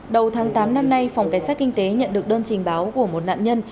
đầu tháng tám năm nay phòng cảnh sát kinh tế nhận được đơn trình báo của một nạn nhân